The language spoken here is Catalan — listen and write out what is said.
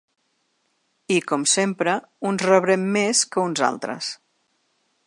I, com sempre, uns rebrem més que uns altres.